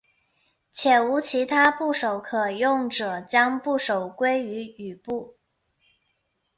且无其他部首可用者将部首归为羽部。